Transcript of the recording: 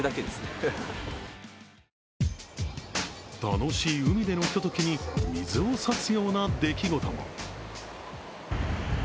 楽しい海でのひとときに、水を差すような出来事も。